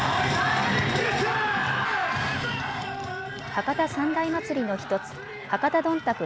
博多三大祭の１つ博多どんたく